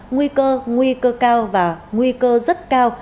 nguy cơ nguy cơ cao và nguy cơ rất cao